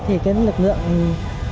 thì lực lượng nhân công sẽ đầy đủ